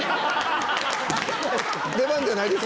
出番じゃないです